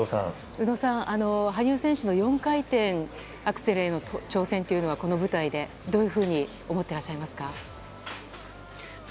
宇野さん、羽生選手の４回転アクセルへの挑戦というのは、この舞台でどういうふうに思っていらっしゃいますか？